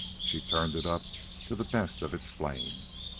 She turned it up to the best of its flame.